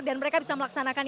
dan mereka bisa melaksanakan